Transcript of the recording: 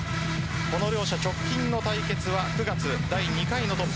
この両者直近の対決は９月、第２回のＴＯＰ３２。